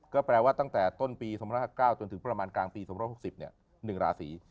ก็แปลว่าตั้งแต่ต้นปี๒๕๙จนถึงประมาณกลางปี๒๖๐๑ราศี